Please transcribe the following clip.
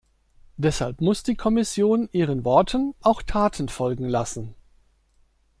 Deshalb muss die Kommission ihren Worten auch Taten folgen lassen.